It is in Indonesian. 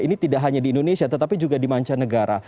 ini tidak hanya di indonesia tetapi juga di mancanegara